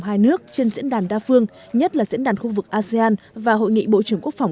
hai nước trên diễn đàn đa phương nhất là diễn đàn khu vực asean và hội nghị bộ trưởng quốc phòng